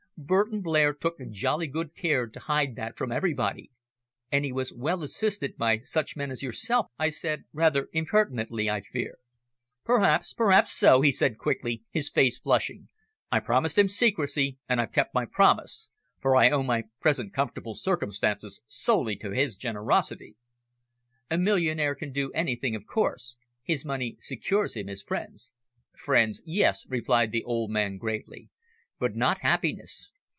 Burton Blair took jolly good care to hide that from everybody." "And he was well assisted by such men as your self," I said, rather impertinently, I fear. "Perhaps, perhaps so," he said quickly, his face flushing. "I promised him secrecy and I've kept my promise, for I owe my present comfortable circumstances solely to his generosity." "A millionaire can do anything, of course. His money secures him his friends." "Friends, yes," replied the old man, gravely; "but not happiness.